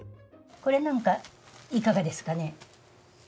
これなんかいかがですかね？